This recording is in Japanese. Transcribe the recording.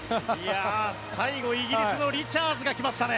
最後、イギリスのリチャーズが来ましたね。